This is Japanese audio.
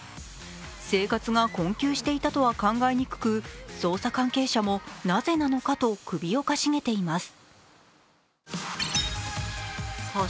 生活が困窮していたとは考えにくく捜査関係者もなぜなのかと首をかしげています。